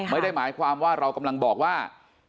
ไม่ได้หมายความว่าเรากำลังบอกว่า